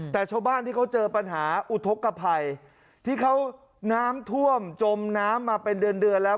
แต่ชาวบ้านที่เขาเจอปัญหาอุทธกภัยที่เขาน้ำท่วมจมน้ำมาเป็นเดือนเดือนแล้ว